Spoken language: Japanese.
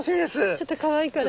ちょっとかわいいから。